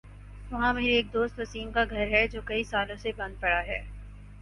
وہاں میرے ایک دوست وسیم کا گھر ہے جو کئی سالوں سے بند پڑا ہے ۔